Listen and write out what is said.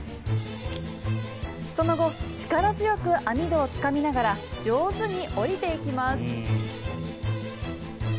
その後力強く網戸をつかみながら上手に下りていきます。